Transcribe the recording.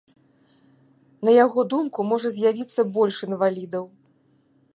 На яго думку, можа з'явіцца больш інвалідаў.